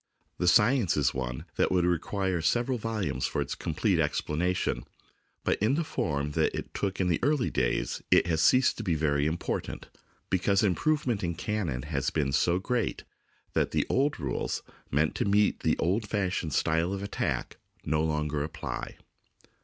The science is one that would require several volumes for its complete explanation, but in the form that it took in the early days it has ceased to be very important, because improvement in cannon has been so great that the old rules meant to meet the old fashioned style of attack no longer apply.